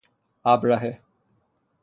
ابرهه